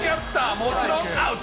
もちろんアウト。